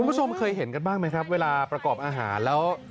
คุณผู้ชมเคยเห็นกันบ้างไหมครับเวลาประกอบอาหารแล้ว